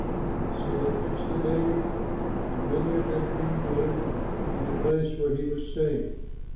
So they fixed a day and many of them came to him to the place where he was staying.